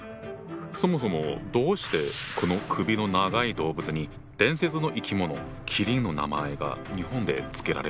そもそもどうしてこの首の長い動物に伝説の生き物麒麟の名前が日本で付けられたんだ？